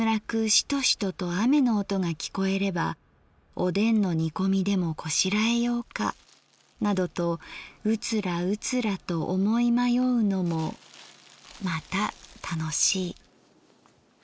シトシトと雨の音がきこえればおでんの煮込みでもこしらえようかなどとうつらうつらと思い迷うのもまた楽しい」。